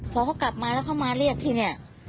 พอเขากลับมาแล้วเขามาเรียกที่เนี่ย